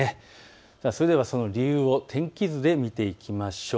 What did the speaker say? それではその理由を天気図で見ていきましょう。